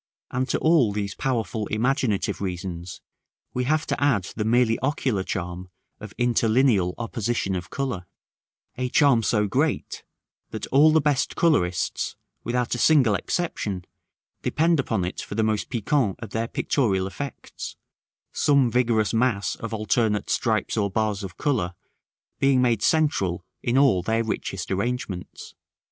And to all these powerful imaginative reasons we have to add the merely ocular charm of interlineal opposition of color; a charm so great, that all the best colorists, without a single exception, depend upon it for the most piquant of their pictorial effects, some vigorous mass of alternate stripes or bars of color being made central in all their richest arrangements.